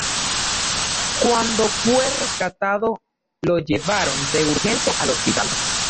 Cuando fue rescatado, lo llevaron de urgencia al hospital.